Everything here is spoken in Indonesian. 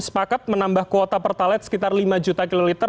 sepakat menambah kuota pertalite sekitar lima juta kiloliter